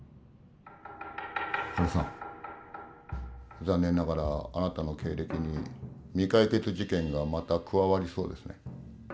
原さん残念ながらあなたの経歴に未解決事件がまた加わりそうですね。